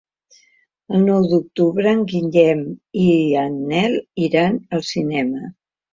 El nou d'octubre en Guillem i en Nel iran al cinema.